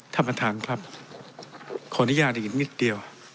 ท่านประธานครับขออนุญาตอีกนิดเดียว